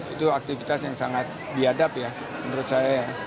itu aktivitas yang sangat biadab ya menurut saya